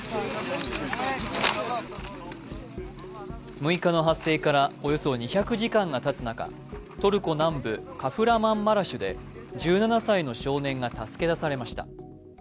６日の発生からおよそ２００時間がたつ中、トルコ南部カフラマンマラシュで、１７歳の少年が助け出されました。